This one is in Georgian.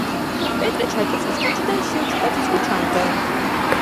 პეტრე ჩაიკოვსკის ქუჩიდან შიო ჩიტაძის ქუჩამდე.